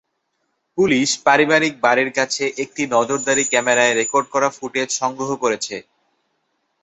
Police পারিবারিক বাড়ির কাছে একটি নজরদারি ক্যামেরায় রেকর্ড করা ফুটেজ সংগ্রহ করেছে।